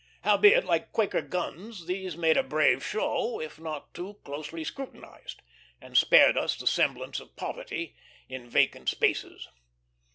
Howbeit, like Quaker guns, these made a brave show if not too closely scrutinized, and spared us the semblance of poverty in vacant spaces.